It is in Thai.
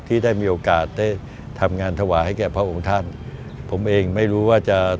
ที่ได้มีโอกาสได้ทำงานถวายให้แก่พระองค์ท่านผมเองไม่รู้ว่าจะ